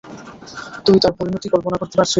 তুই তার পরিণতি কল্পণা করতে পারছিস?